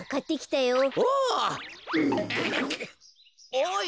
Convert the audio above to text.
おい。